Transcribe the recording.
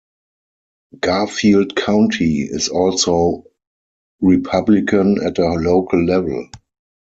Garfield County is also Republican at a local level.